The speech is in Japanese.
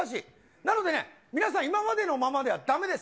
なのでね、皆さん、今までのままではだめです。